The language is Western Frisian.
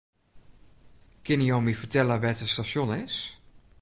Kinne jo my fertelle wêr't it stasjon is?